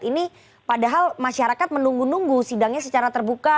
ini padahal masyarakat menunggu nunggu sidangnya secara terbuka